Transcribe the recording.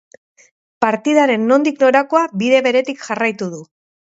Partidaren nondik norakoak bide beretik jarraitu du.